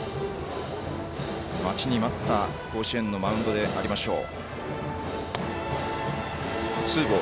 待ちに待った甲子園のマウンドでありましょう。